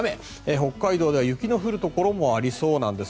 北海道では雪の降るところもありそうです。